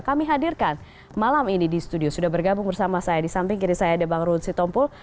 kami hadirkan malam ini di studio sudah bergabung bersama saya di samping kiri saya ada bang run sitompul